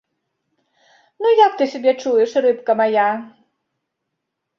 Ну як ты сябе чуеш, рыбка мая?